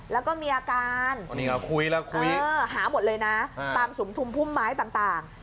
แล้วก็มีอาการคุยแล้วคุยหาหมดเลยนะตามสุมทุมพุ่มไม้ต่าง